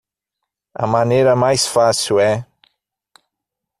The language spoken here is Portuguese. A maneira mais fácil é